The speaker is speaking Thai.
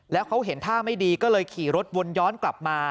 แล้วเขาเห็นท่าไม่ดีก็เลยขี่รถวนย้อนกลับมา